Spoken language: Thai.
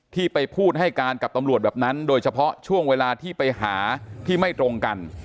ที่ไปพูดให้การกับตำรวจแบบนั้นโดยเฉพาะช่วงเวลาที่ไปหาที่ไม่ตรงกัน